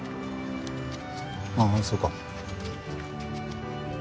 ああそうか。